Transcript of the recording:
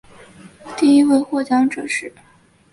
第一位获奖者是。